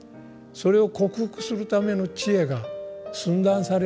それを克服するための知恵が寸断されるようではね